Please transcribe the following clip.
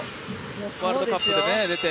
ワールドカップで出て。